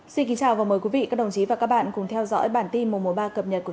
xin kính chào và mời quý vị các đồng chí và các bạn cùng theo dõi bản tin một mùa ba cập nhật của